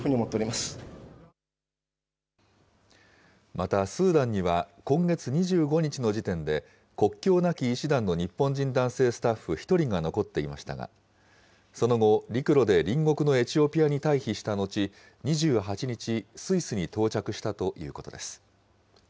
また、スーダンには、今月２５日の時点で、国境なき医師団の日本人男性スタッフ１人が残っていましたが、その後、陸路で隣国のエチオピアに退避したのち、２８日、スイスに到着したということです。